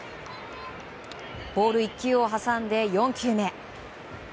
ボール１球を挟んで４球目。